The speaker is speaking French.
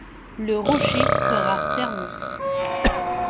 Le rocher sera cerné.